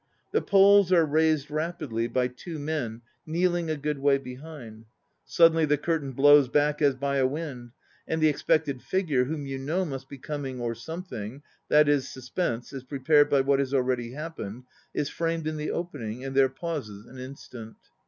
The poles are raised rapidly by two men kneeling a good way behind. Suddenly the curtain blows back as by a wind, and the expected figure, whom you know must be coming or something, i. e. suspense is prepared by what has already happened, is framed in the opening, and there pauses an instant.